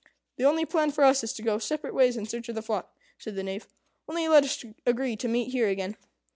"The only plan for us is to go separate ways in search of the flock," said the Knave; "only let us agree to meet here again."